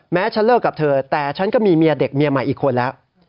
ฉันเลิกกับเธอแต่ฉันก็มีเมียเด็กเมียใหม่อีกคนแล้ว